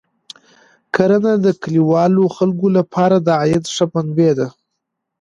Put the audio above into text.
کرنه د کلیوالو خلکو لپاره د عاید ښه منبع ده.